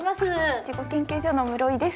いちご研究所の室井です。